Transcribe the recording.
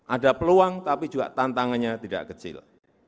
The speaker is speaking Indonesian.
ada peluang tapi juga tantangannya tidak kecil